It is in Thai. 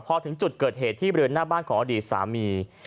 พอถึงจุดเกิดเหตุที่แบบในหน้าสามี